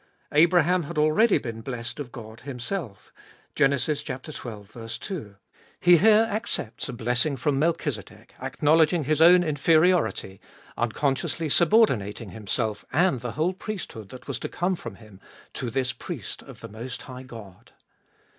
Abraham had already been blessed of God Himself (Gen. xii. 2). He here accepts a blessing from Melchi zedek, acknowledging his own inferiority, unconsciously sub ordinating himself and the whole priesthood that was to come from him, to this priest of the Most High God.